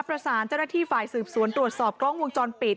ประสานเจ้าหน้าที่ฝ่ายสืบสวนตรวจสอบกล้องวงจรปิด